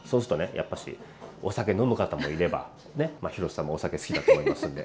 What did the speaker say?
やっぱしお酒飲む方もいれば廣瀬さんもお酒好きだと思いますので。